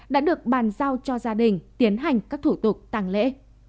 đã được bàn giao cho gia đình tiến hành các thủ tục tăng lễ